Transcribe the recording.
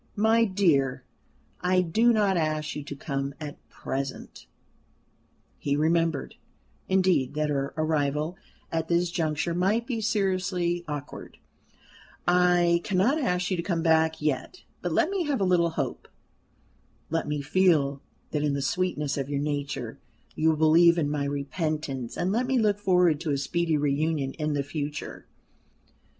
My dear, I do not ask you to come at present" he remembered, indeed, that her arrival at this juncture might be seriously awkward "I cannot ask you to come back yet, but let me have a little hope let me feel that in the sweetness of your nature you will believe in my repentance, and let me look forward to a speedy reunion in the future."